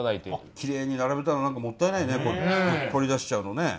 きれいに並べたのに何かもったいないねこれ取り出しちゃうのね。